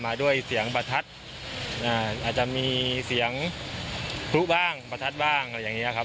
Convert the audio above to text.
มีเสียงธุ๊กบ้างประทัดบ้างอะไรอย่างนี้ครับ